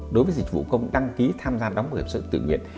đối với dịch vụ công đăng ký tham gia đóng bảo hiểm xuất tự nguyện